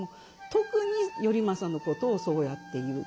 特に頼政のことをそうやって言うと。